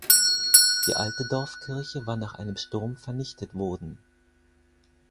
Die alte Dorfkirche war nach einem Sturm vernichtet wurden.